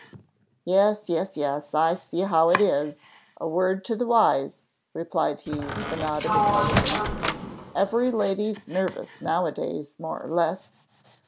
"Yes, yes, yes; I see how it is. A word to the wise," replied he, with a nod of intelligence. "Every lady's nervous now a days, more or less.